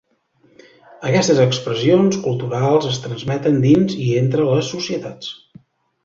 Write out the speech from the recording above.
Aquestes expressions culturals es transmeten dins i entre les societats.